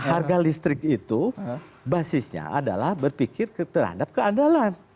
harga listrik itu basisnya adalah berpikir terhadap keandalan